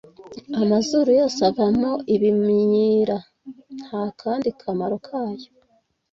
Amazuru yose avamo ibimyira ntakandi kamaro kayo